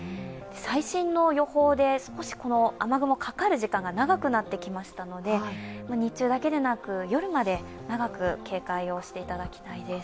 最新の予報で、少しこの雨雲かかる時間が長くなってきましたので日中だけでなく夜まで長く警戒をしていただきたいです。